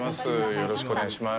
よろしくお願いします。